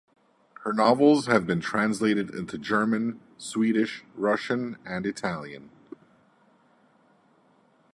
Her novels have been translated into German, Swedish, Russian and Italian.